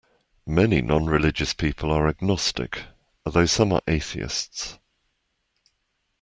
Many nonreligious people are agnostic, although some are atheists